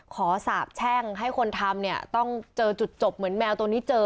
สาบแช่งให้คนทำเนี่ยต้องเจอจุดจบเหมือนแมวตัวนี้เจอ